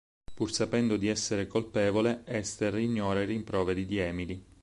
Pur sapendo di essere colpevole, Hester ignora i rimproveri di Emily.